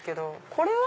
これは？